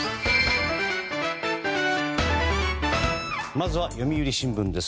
まずは読売新聞です。